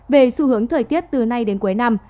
về xu hướng thời tiết từ nay đến cuối năm